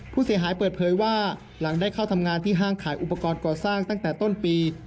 ผู้เสียหายเปิดเผยว่าหลังได้เข้าทำงานที่ห้างขายอุปกรณ์ก่อสร้างตั้งแต่ต้นปี